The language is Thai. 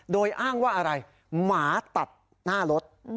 โดยอ้างว่าอะไรหมาตัดหน้ารถ